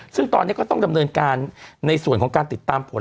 ซึ่งตอนนี้ก็ต้องดำเนินการในส่วนของการติดตามผล